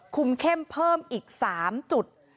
คุมเข้มเพิ่มอีก๓จุด